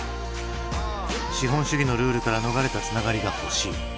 資本主義のルールから逃れたつながりが欲しい。